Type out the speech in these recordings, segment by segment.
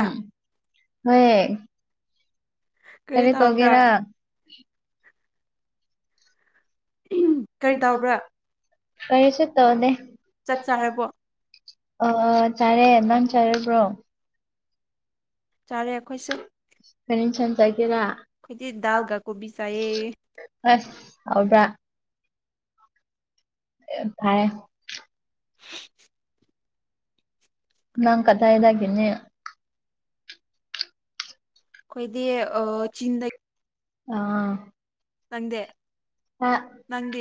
ꯎꯝ ꯍꯣꯏ ꯀꯔꯤ ꯇꯔꯤ ꯇꯧꯕ꯭ꯔꯥ ꯇꯣꯒꯦꯔ ꯀꯔꯤ ꯇꯧꯕ꯭ꯔꯥ [unintelligible] ꯀꯁ ꯇꯧꯗꯦ ꯆꯠ ꯆ ꯍꯥꯏꯦꯕꯣ ꯑ ꯆꯥꯔꯦ ꯅꯪ ꯆꯥꯔꯕ꯭ꯔꯣ ꯆꯥꯔꯦ ꯑꯩꯈꯣꯏꯁꯨ ꯀꯔꯤ ꯏꯟꯁꯥꯡ ꯆꯥꯒꯦꯔꯥ ꯈꯣꯏꯗꯤ ꯗꯥꯜꯒꯥ ꯀꯣꯕꯤ ꯆꯥꯏꯌꯦ ꯍꯁ ꯍꯥꯎꯕ꯭ꯔꯥ ꯐꯥꯏꯌꯦ ꯅꯪ ꯀꯗꯥꯥꯏꯒꯦꯅꯦ ꯑꯩꯈꯣꯏꯗꯤ ꯑ ꯆꯤꯟꯗ ꯑꯥ ꯅꯪꯗꯦ ꯅꯪꯗꯤ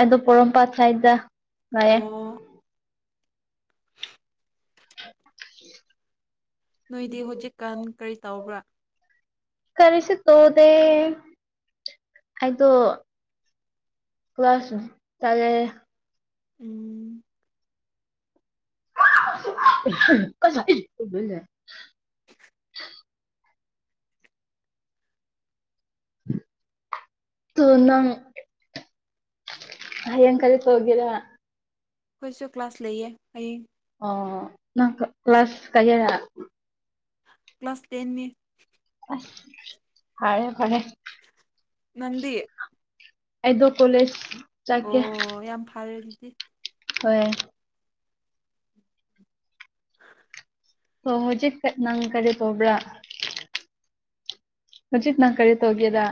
ꯑꯗꯣ ꯄꯣꯔꯣꯝꯄꯥꯠ ꯁꯥꯏꯗꯗ ꯑꯣ ꯃꯔꯌꯦꯦ ꯅꯣꯏꯗꯤ ꯍꯧꯖꯤꯛꯀꯥꯟ ꯀꯔꯤ ꯇꯧꯕ꯭ꯔꯥ ꯀꯔꯤꯁꯤ ꯇꯣꯗꯦ ꯑꯩꯗꯣ ꯀ꯭ꯂꯥꯁ ꯇꯒꯦ ꯎꯝ ꯀꯁꯥꯏ ꯍꯥꯏ ꯇꯨ ꯅꯪ ꯍꯌꯦꯡ ꯀꯔꯤ ꯇꯧꯒꯦꯔ ꯑꯩꯈꯣꯏꯁꯨ ꯀ꯭ꯂꯥꯁ ꯂꯩꯌꯦ ꯍꯌꯦꯡ ꯑꯣ ꯅꯪ ꯀ꯭ꯂꯥꯁ ꯀꯌꯥꯔꯥ ꯀ꯭ꯂꯥꯁ ꯇꯦꯟꯅꯤ ꯍꯔꯦ ꯐꯅꯦ ꯅꯪꯗꯤ ꯑꯗꯣ ꯀꯣꯂꯦꯖ ꯑꯣ ꯌꯥꯝ ꯐꯔꯦ ꯑꯗꯨꯗꯤ ꯍꯣꯏ ꯑ ꯍꯧꯖꯤꯛ ꯅꯪ ꯀꯔꯤ ꯇꯧꯕ꯭ꯔꯥ ꯔꯖꯤꯠ ꯅꯪ ꯀꯔꯤ ꯇꯒꯦꯗ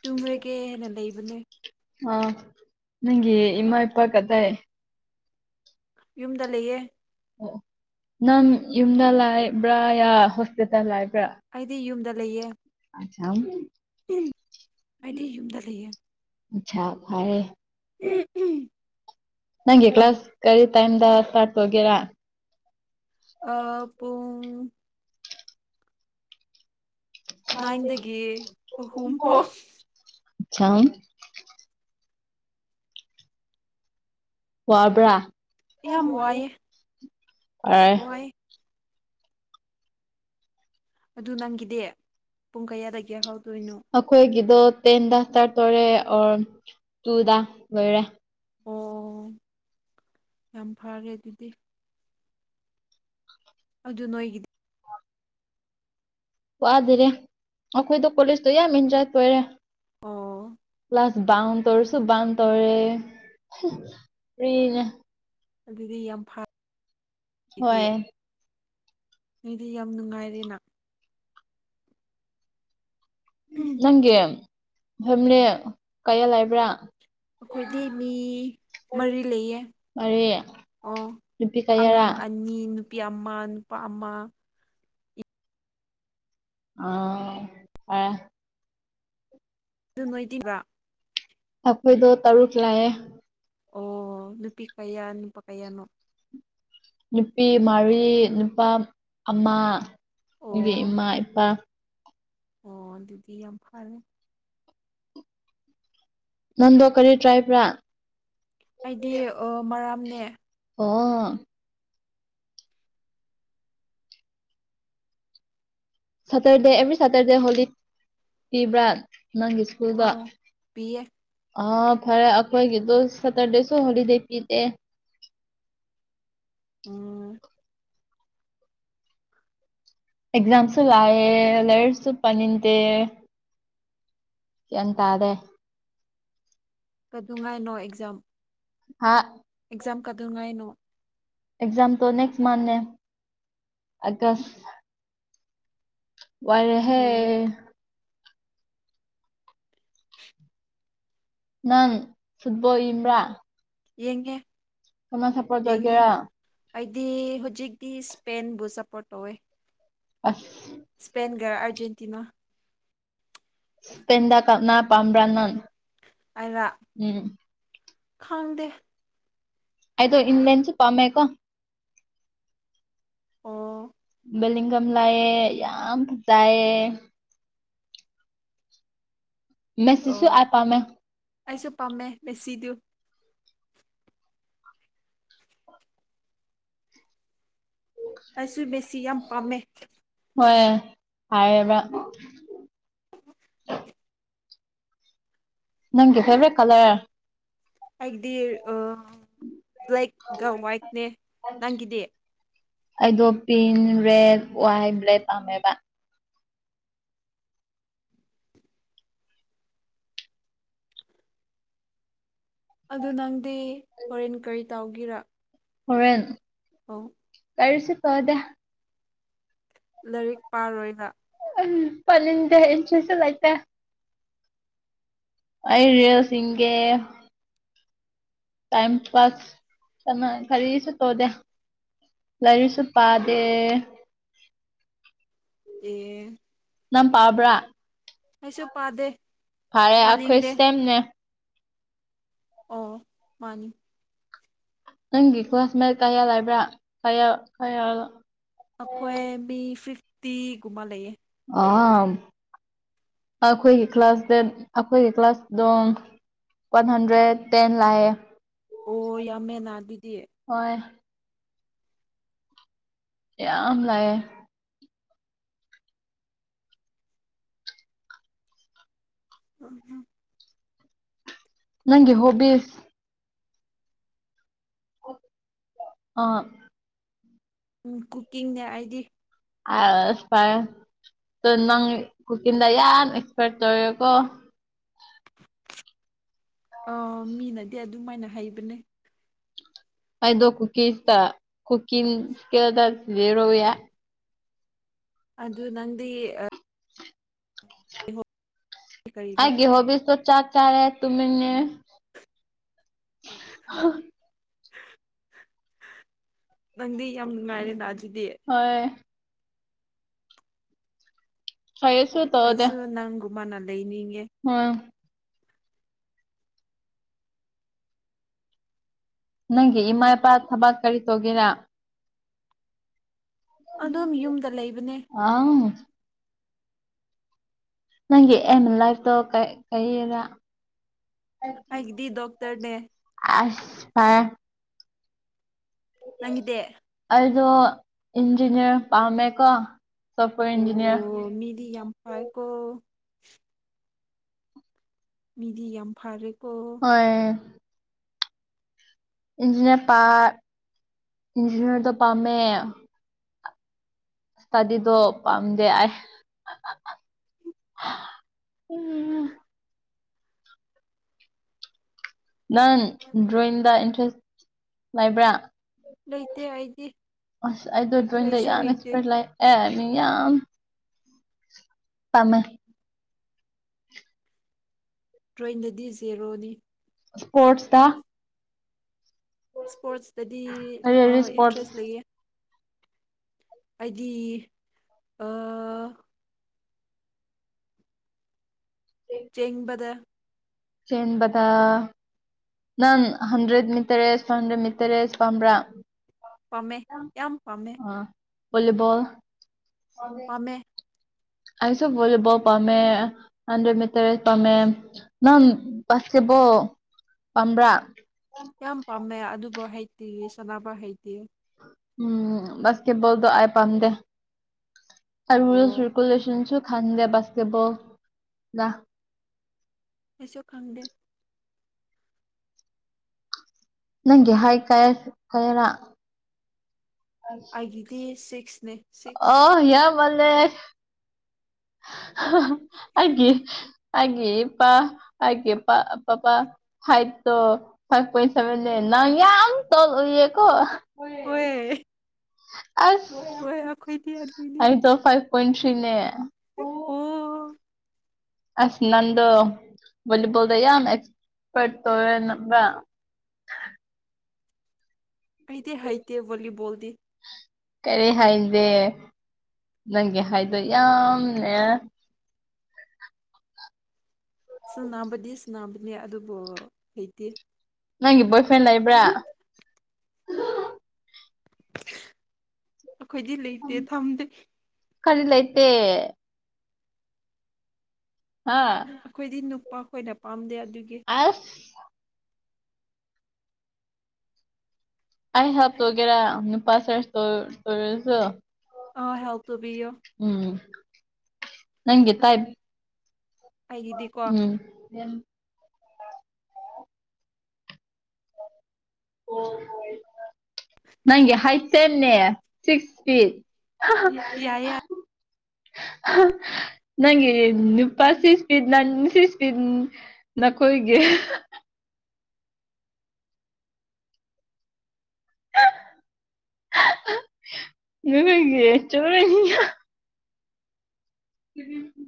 ꯇꯨꯝꯔꯒꯦꯅ ꯂꯩꯕꯅꯦ ꯑ ꯅꯪꯒꯤ ꯏꯃꯥ ꯏꯄꯥ ꯀꯗꯥꯥꯏ ꯌꯨꯝꯗ ꯂꯩꯌꯦ ꯑꯣ ꯅꯪ ꯌꯨꯝꯗ ꯂꯩꯕ꯭ꯔꯥ ꯌꯥ ꯍꯣꯁꯇꯦꯜꯗ ꯂꯩꯕ꯭ꯔꯥ ꯑꯩꯗꯤ ꯌꯨꯝꯗ ꯂꯩꯌꯦ [unintelligible] ꯍꯥꯏꯗꯤ ꯌꯨꯝꯗ ꯂꯩꯦ ꯎꯆꯥ ꯈꯑ ꯎꯝ ꯎꯝ ꯅꯪꯒꯤ ꯀ꯭ꯂꯥꯁ ꯀꯔꯤ ꯇꯥꯏꯝꯗ ꯏꯁꯇ꯭ꯔꯥꯠ ꯇꯧꯒꯦꯔꯥ ꯄꯨꯡ ꯅꯥꯏꯟꯗꯒꯤ ꯑꯍꯨꯝꯐꯥꯎ [unintelligible] ꯍꯋꯥꯕ ꯌꯥꯝ ꯋꯥꯏꯑꯦ ꯑꯔ ꯋꯥꯏ ꯑꯗꯨ ꯅꯪꯒꯤꯗꯤ ꯄꯨꯡ ꯀꯌꯥꯗꯒꯤ ꯍꯧꯗꯣꯏꯅꯣ ꯑꯩꯈꯣꯏꯒꯤꯗꯣ ꯇꯦꯟꯗ ꯏꯁꯇꯥꯔ꯭ꯗ ꯇꯧꯔꯦ ꯑꯣꯔ ꯇꯨꯗ ꯂꯣꯏꯔꯦ ꯑꯣ ꯌꯥꯝ ꯐꯔꯦ ꯑꯗꯨꯗꯤ ꯑꯗꯨ ꯅꯣꯏꯒꯤꯗꯤ ꯋꯥꯗꯔꯦ ꯑꯩꯈꯣꯏꯗ ꯀꯣꯂꯦꯖꯇꯣ ꯌꯥꯝ ꯏꯟꯖꯣꯏ ꯀꯣꯏꯔꯦ ꯑꯣ ꯀ꯭ꯂꯥꯁ ꯇꯧꯔꯁꯨ ꯇꯧꯔꯦꯅꯦ ꯑꯗꯨꯗꯤ ꯌꯥꯝ ꯐ ꯍꯣꯏ ꯅꯣꯏꯗꯤ ꯌꯥꯝ ꯅꯨꯡꯉꯥꯏꯔꯦꯅ ꯎꯝ ꯅꯪꯒꯤ ꯐꯦꯝꯃꯦꯂꯤ ꯀꯌꯥ ꯂꯩꯕ꯭ꯔꯥ ꯑꯩꯈꯣꯏꯗꯤ ꯃꯤ ꯃꯔꯤ ꯂꯩꯌꯦ ꯃꯔꯤ ꯑꯣ ꯅꯨꯄꯤ ꯑꯉꯥꯡ ꯀꯌꯥꯔꯥ ꯑꯅꯤ ꯅꯨꯄꯤ ꯑꯃ ꯅꯨꯄꯥ ꯑꯃ ꯑꯥ ꯑꯗꯨ ꯅꯣꯏꯗꯤꯕ ꯑꯩꯈꯣꯏꯗ ꯇꯔꯨꯛ ꯂꯥꯛꯑꯦ꯫ ꯑꯣ ꯅꯨꯄꯤ ꯀꯌꯥ ꯅꯨꯄꯥ ꯀꯌꯥꯅꯣ ꯅꯨꯄꯤ ꯃꯔꯤ ꯅꯨꯄꯥ ꯑꯃ ꯑꯩꯒꯤ ꯑꯣ ꯏꯃꯥ ꯏꯄꯥ ꯑꯣ ꯑꯗꯨꯗꯤ ꯌꯥꯝ ꯐꯔꯦ꯫ ꯅꯪꯗꯣ ꯀꯔꯤ ꯇ꯭ꯔꯥꯏꯕꯔꯥ ꯑꯩꯗꯤ ꯃꯔꯥꯝꯅꯦ꯫ ꯑꯣ ꯁꯇꯔꯗꯦ ꯑꯦꯕ꯭ꯔꯤ ꯁꯇꯔꯗꯦ ꯍꯣꯂꯤ ꯄꯤꯕ꯭ꯔꯥ ꯅꯪꯒꯤꯁ ꯀꯩꯕꯥ ꯑꯣ ꯄꯤꯌꯦ ꯑ ꯐꯔꯦ ꯑꯩꯈꯣꯏꯒꯤꯗꯣ ꯁꯦꯇꯔꯗꯦꯁꯨ ꯍꯣꯂꯤꯗꯦ ꯄꯤꯗꯦ꯫ ꯎꯝ ꯑꯦꯛꯖꯝꯁ ꯂꯥꯛꯑꯦ ꯂꯥꯌꯔꯤꯛꯁꯨ ꯄꯥꯅꯤꯡꯗꯦ꯫ ꯒꯌ꯭ꯥꯟ ꯇꯥꯗꯦ꯫ ꯀꯩꯗꯧꯉꯥꯏꯅꯣ ꯑꯦꯛꯖꯥꯝ ꯍꯥ ꯑꯦꯛꯖꯥꯝ ꯀꯗꯉꯥꯏꯅꯣ ꯑꯦꯛꯖꯝ ꯅꯦꯛꯁ ꯃꯟꯊꯦ ꯑꯒꯁ ꯎꯝ ꯋꯥꯔꯍꯦ꯫ ꯅꯪ ꯐꯨꯠꯕꯣꯜ ꯌꯦꯡꯕ꯭ꯔꯥ ꯌꯦꯡꯉꯦ꯫ ꯀꯅꯥ ꯁꯨꯞꯄꯣꯔꯠ ꯌꯦꯡꯉꯦ ꯇꯥꯎꯒꯦꯔꯥ ꯑꯩꯗꯤ ꯍꯧꯖꯤꯛꯇꯤ ꯁ꯭ꯄꯦꯟꯕꯨ ꯁꯞꯄꯣꯔꯠ ꯇꯧꯋꯦ꯫ ꯑꯁ ꯏꯁꯄꯦꯟꯒ ꯑꯔꯖꯦꯟꯇꯤꯅꯥ ꯏꯁꯄꯦꯟꯗ ꯀꯅꯥ ꯄꯥꯝꯕ꯭ꯔꯥ ꯅꯥꯪ ꯑꯩꯔꯥ ꯈꯪꯗꯦ꯫ ꯑꯩꯗꯣ ꯏꯟ ꯂꯦꯟꯁꯨ ꯄꯝꯃꯦ ꯀꯣ ꯑꯣꯥ ꯕꯦꯂꯤꯡꯒꯝ ꯂꯥꯏꯑꯦ ꯌꯥꯝ ꯐ ꯆꯥꯏꯌꯦ꯫ ꯑꯣ ꯃꯦꯁꯤꯖꯁꯨ ꯍꯥꯏ ꯄꯥꯝꯃꯦ꯫ ꯑꯩꯁꯨ ꯄꯥꯝꯃꯦ ꯃꯦꯁꯤꯗꯨ ꯑꯩꯁꯨ ꯃꯦꯁꯤ ꯌꯥꯝ ꯄꯥꯝꯃꯦ꯫ ꯍꯣꯏ ꯍꯥꯏꯌꯦꯕ꯫ ꯅꯪꯒꯤ ꯐꯦꯕ꯭ꯔꯦꯠ ꯀꯂꯔ ꯑꯩꯒꯤꯗꯤ ꯕ꯭ꯂꯦꯛꯒ ꯋꯥꯏꯠꯅꯦ ꯅꯪꯒꯤꯗꯤ ꯑꯩꯗꯣ ꯄꯤꯡ ꯔꯦꯗ ꯋꯥꯏꯠ ꯕ꯭ꯂꯦꯛ ꯄꯥꯝꯃꯦꯕ꯫ ꯑꯗꯨ ꯅꯪꯗꯤ ꯍꯣꯔꯦꯟ ꯀꯔꯤ ꯇꯧꯒꯦꯔ ꯍꯣꯔꯦꯟ ꯑꯣ ꯀꯔꯤꯁꯨ ꯇꯧꯗꯦ꯫ ꯂꯥꯏꯔꯤꯛ ꯄꯥꯔꯣꯏꯅ ꯎꯝ ꯄꯥꯅꯤꯡꯗꯦ ꯏꯟꯇ꯭ꯔꯦꯁꯁꯨ ꯂꯩꯇꯦ꯫ ꯑꯩ ꯔꯤꯌꯦꯜꯁ ꯌꯦꯡꯒꯦ꯫ ꯇꯥꯏꯝ ꯄꯥꯁ ꯀꯅ ꯀꯔꯤꯁꯨ ꯇꯣꯗꯦ꯫ ꯂꯥꯏꯔꯤꯛꯁꯨ ꯄꯥꯗꯦ꯫ ꯑꯦ ꯅꯪ ꯄꯥꯕ꯭ꯔꯥ ꯑꯩꯁꯨ ꯄꯥꯗꯦ꯫ ꯄꯥꯏꯌꯦ ꯑꯈꯣꯏ ꯄꯥꯅꯤꯡꯗꯦ ꯁꯦꯝꯅꯦ ꯑꯣ ꯃꯥꯅꯤ ꯅꯪꯒꯤ ꯀ꯭ꯂꯥꯁ ꯃꯦꯠ ꯀꯌꯥ ꯂꯩꯕ꯭ꯔꯥ ꯀꯌꯥ ꯀꯌꯥ ꯑꯩꯈꯣꯏ ꯃꯤ ꯐꯤꯐꯇꯤꯒꯨꯝꯕ ꯂꯩꯌꯦ ꯑ ꯑꯩꯈꯣꯏꯒꯤ ꯀ꯭ꯂꯥꯁ ꯑꯩꯈꯣꯏꯒꯤ ꯀ꯭ꯂꯥꯁꯗꯣ ꯋꯥꯟ ꯍꯟꯗ꯭ꯔꯦꯠ ꯇꯦꯦꯟ ꯂꯑ ꯑꯣ ꯌꯥꯝꯃꯦꯦꯟꯅ ꯑꯗꯨꯗꯤꯌꯦ ꯍꯣꯏ ꯌꯥꯝ ꯂꯑꯦ ꯎꯝ ꯅꯪꯒꯤ ꯍꯣꯕꯤ ꯑꯥ ꯎ ꯀꯨꯀꯤꯡꯅꯦ ꯑꯩꯗꯤ ꯑꯁꯄꯥꯏ ꯅꯪ ꯀꯀꯤꯗ ꯌꯥ ꯑꯦꯛꯁꯄꯔꯠ ꯇꯧꯔꯀꯣ ꯑ ꯃꯤꯅꯗꯤ ꯑꯗꯨꯝꯃꯥꯏꯅ ꯍꯩꯕꯅꯦ ꯑꯩꯗꯣ ꯀꯨꯀꯤꯁꯇ ꯀꯨꯀꯤꯡ ꯏꯁꯀꯤꯦꯜꯗ ꯁꯤꯖꯤꯔꯣꯦ ꯑꯗꯨ ꯅꯪꯗꯤ ꯀꯔꯤꯅꯣ ꯒꯤꯍꯣꯕꯤ ꯁꯣ ꯆꯥꯛ ꯆꯥꯔꯦ ꯇꯨꯃꯤꯅꯦ ꯅꯪꯗꯤ ꯌꯥꯝ ꯅꯨꯡꯉꯥꯏꯔꯦꯗ ꯑꯗꯨꯗꯤ ꯍꯣꯏ ꯁꯌꯦꯁ ꯑꯩꯁꯨ ꯅꯪꯒꯨꯝꯕꯅ ꯂꯩꯅꯤꯡꯉꯦ ꯑꯝ ꯅꯪꯒꯤ ꯏꯃꯥ ꯏꯄꯥ ꯊꯕꯛ ꯀꯔꯤ ꯇꯧꯒꯦꯅ ꯑꯗꯨꯝ ꯌꯨꯝꯗ ꯂꯩꯕꯅꯦ ꯑꯥꯎ ꯅꯪꯒꯤ ꯑꯦꯝ ꯂꯥꯏꯐꯇꯣ ꯀꯩꯗ ꯑꯩꯗꯤ ꯗꯣꯛꯇꯔꯅꯦ ꯑꯁ ꯐ ꯅꯪꯗꯦ ꯑꯩꯗꯣ ꯏꯟꯖꯤꯅꯤꯌꯥꯔ ꯄꯥꯝꯃꯦꯀꯣ ꯁ ꯏ ꯑꯣ ꯃꯤꯗꯤ ꯌꯥꯝꯝꯐꯀꯣ ꯃꯤꯗꯤ ꯌꯥꯝ ꯐꯔꯦꯀꯣ ꯍ [unintelligible] ꯏꯟꯖꯤꯅꯤꯌꯥꯔ ꯄꯥ ꯏꯟꯖꯤꯅꯤꯌꯥꯔꯗꯣ ꯄꯥꯝꯃꯦ ꯇꯥꯗꯤꯗꯣ ꯄꯥꯝꯗꯦꯑ ꯅꯪ ꯗ꯭ꯔꯣꯌꯤꯡꯗ ꯏꯟꯇꯔꯦꯁ ꯂꯩꯕ꯭ꯔꯥ ꯂꯩꯇꯦ ꯑꯩꯗꯤ ꯑꯁ ꯑꯩꯗꯣ ꯗ꯭ꯔꯣꯣꯌꯤꯡꯗ ꯍꯩꯁꯨ ꯌꯥꯝ ꯍꯩꯇꯦ ꯑꯦꯛꯁꯄꯔꯠ ꯂꯥꯛ ꯑꯦꯅꯤ ꯌꯥꯝ ꯄꯃ ꯇ꯭ꯔꯦꯟꯗꯗꯤ ꯖꯦꯔꯣꯅꯤ ꯀꯣꯔꯣꯠꯁꯗ ꯁ꯭ꯄꯣꯔꯠꯁꯇꯗꯤ ꯀꯔꯤ ꯀꯔꯤ ꯏꯁꯄꯣꯔꯠꯁ ꯏꯟꯇꯔꯦꯁ ꯂꯩꯌꯦ ꯍꯥꯏꯗꯤ ꯆꯦꯡꯕꯗ ꯆꯦꯟꯕꯗ ꯅꯪ ꯍꯟꯗ꯭ꯔꯦꯠ ꯃꯤꯇꯔꯦꯁ ꯐ ꯍꯟꯗ꯭ꯔꯦꯠ ꯃꯤꯇꯔ ꯑꯦꯁ ꯄꯝꯕ꯭ꯔꯥ ꯄꯥꯝꯃꯦ ꯌꯥꯝ ꯄꯥꯝꯃꯦ ꯣꯂꯤꯕꯣꯜ ꯃ ꯑꯩꯁꯨ ꯣꯂꯤꯕꯣ ꯄꯥꯝꯃꯦ ꯍꯟꯗ꯭ꯔꯦꯠ ꯃꯇꯔꯦ ꯄꯝꯃꯦ ꯅꯪ ꯄꯁꯦꯕꯣ ꯄꯝꯕ꯭ꯔꯥ ꯌꯥꯝ ꯄꯥꯝꯃꯦ ꯑꯗꯨꯕꯨ ꯍꯩꯇꯤ ꯁꯥꯟꯅꯕ ꯍꯩꯇꯤ ꯎꯝ ꯁ ꯀꯦꯕꯣꯜꯗꯣ ꯑ ꯄꯝꯗꯦ ꯔ ꯑꯣ ꯁꯨꯔꯀ ꯂꯁꯨ ꯈꯥꯟꯗꯦ ꯀꯦꯠꯕꯜ ꯂ ꯀꯩꯁꯨ ꯈꯪꯗꯦ ꯅꯪꯒꯤ ꯍꯥꯏꯥꯏ ꯀꯌꯥ ꯀꯌꯥꯔꯥ ꯑꯩꯒꯤꯗꯤ ꯁꯤꯛꯁꯅꯦ ꯑ ꯁꯤꯛꯁ ꯍꯌꯥ ꯃꯦ ꯍꯥꯏꯦ ꯍꯥꯏꯦ ꯄ ꯍꯥꯏꯦ ꯄ ꯄꯄꯥ ꯐꯥꯏ ꯇꯣ ꯐꯥꯏꯚ ꯄꯣꯏꯟ ꯁꯦꯚꯦꯟ ꯂ ꯅ ꯌꯥꯝ ꯇꯜ ꯎꯌꯦꯀꯣ ꯍꯣꯏ ꯑ ꯍꯣꯏ ꯑꯩꯈꯣꯏꯗꯤ ꯑꯗꯨꯅꯦ ꯑꯩꯗ ꯐꯥꯏꯚ ꯄꯣꯏꯟ ꯊ꯭ꯔꯤꯅꯦ ꯑꯣ ꯑꯁ ꯅꯗꯨ ꯜꯂꯤꯕꯣꯜꯗ ꯅ ꯑꯦꯛꯁꯄꯔꯠ ꯇꯧꯋꯦ ꯅ ꯀꯩꯗꯤ ꯍꯥꯏꯩꯗꯤꯦ ꯋꯥꯣꯂꯤꯕꯣꯜꯗꯤ ꯀꯔꯤ ꯍꯥꯏꯗꯦ ꯅꯪꯒꯤ ꯍꯥꯏꯗꯣ ꯌꯥꯝꯅꯦ ꯁꯨ ꯅꯥꯕꯗꯤ ꯁꯨ ꯅꯥꯕꯅꯦ ꯑꯗꯨꯕꯨ ꯍꯩꯇꯦ ꯅꯪꯒꯤ ꯕꯣꯏ ꯐ꯭ꯔꯦꯟ ꯂꯩꯕ꯭ꯔꯥ ꯑꯩꯈꯣꯏꯗꯤ ꯂꯩꯇꯦ ꯊꯝꯗꯤ ꯀꯅꯤꯂꯥꯏꯇꯦ ꯍꯥꯥ ꯑꯩꯈꯣꯏꯗꯤ ꯅꯨꯄꯥ ꯑꯩꯈꯣꯏꯅ ꯄꯥꯝꯗꯦ ꯑꯗꯨꯒꯤ ꯑꯐ ꯑ ꯍꯥꯞꯇꯒꯦꯔ ꯅꯨꯄꯥꯁ ꯇꯁꯨ ꯑ ꯍꯦꯜ ꯇꯨꯕꯤꯌꯣ ꯎꯝ ꯅꯪꯒꯦ ꯇꯥꯏ ꯑꯩꯒꯤꯗꯤꯀꯣ ꯎꯝ ꯌꯥꯝ ꯅꯪꯒꯤ ꯍꯥꯏꯠ ꯁꯦꯝꯅꯦ ꯁꯤꯛꯁ ꯐꯤꯠ ꯌꯥꯏꯌꯦ [unintelligible] ꯅꯪꯦ ꯅꯨꯄꯥ ꯁꯤꯁꯄꯤ ꯅꯥꯟ ꯁꯤꯁꯄꯤ ꯅꯈꯣꯏꯒꯤ ꯃꯒꯦ ꯆ ꯀ